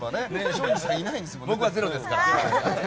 松陰寺さんはゼロですよね。